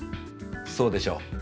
そうでしょう。